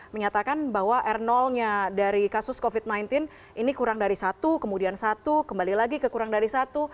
menyatakan bahwa r nya dari kasus covid sembilan belas ini kurang dari satu kemudian satu kembali lagi ke kurang dari satu